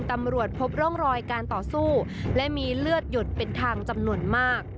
ตำรวจพบร่องรอยการต่อสู้และมีเลือดหยดเป็นทางจำนวนมาก